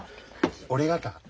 俺がか？